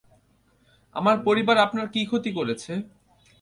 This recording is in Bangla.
আমার পরিবার আপনার কী ক্ষতি করেছে?